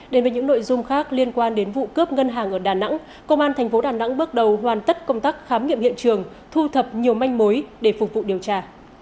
đến với những nội dung khác liên quan đến vụ cướp ngân hàng ở đà nẵng công an tp đà nẵng bước đầu hoàn tất công tác khám nghiệm hiện trường thu thập nhiều manh mối để phục vụ điều tra